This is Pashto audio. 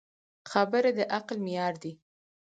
خبرې د عقل معیار دي.